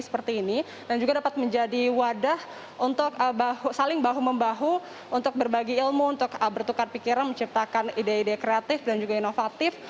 seperti ini dan juga dapat menjadi wadah untuk saling bahu membahu untuk berbagi ilmu untuk bertukar pikiran menciptakan ide ide kreatif dan juga inovatif